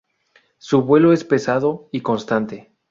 Su vuelo es pesado y constante.